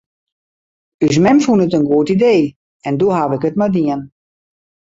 Us mem fûn it in goed idee en doe haw ik it mar dien.